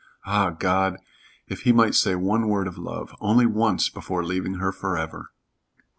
Ah, God! If he might say one word of love only once before leaving her forever!